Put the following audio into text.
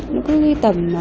nó cứ tầm